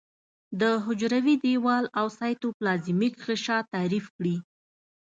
د حجروي دیوال او سایتوپلازمیک غشا تعریف کړي.